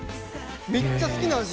めっちゃ好きな味。